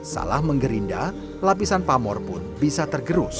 salah mengerinda lapisan pamor pun tidak terlalu keras